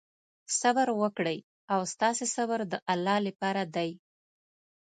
صبر وکړئ او ستاسې صبر د الله لپاره دی.